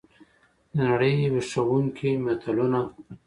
دنړۍ ویښوونکي متلونه!